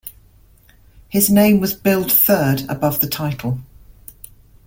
His name was billed third, above the title.